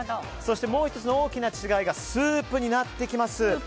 そしてもう１つの大きな違いがスープになってきます。